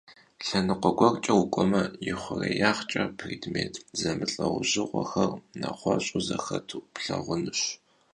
Lhenıkhue guerç'e vuk'ueme, yixhurêyağç'e prêdmêt zemılh'eujığuexer neğueş'u zexetu plhağunuş.